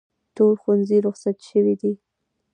ټول ښوونځي روخصت شوي دي